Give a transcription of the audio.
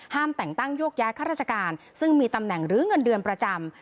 แต่งตั้งโยกย้ายข้าราชการซึ่งมีตำแหน่งหรือเงินเดือนประจำ